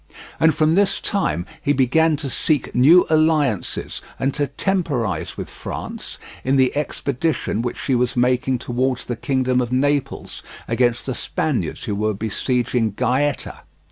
And from this time he began to seek new alliances and to temporize with France in the expedition which she was making towards the kingdom of Naples against the Spaniards who were besieging Gaeta.